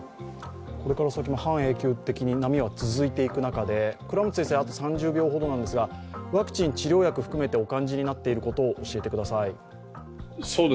これから先も半永久的に波は続いていく中でワクチン、治療薬、お感じになっていることを教えてください。